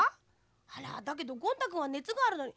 あらだけどゴン太くんはねつがあるのに。